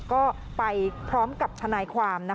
ก็ไปพร้อมกับทนายความ